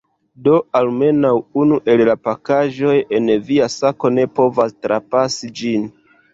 Do, almenaŭ unu el la pakaĵoj en via sako ne povas trapasi ĝin.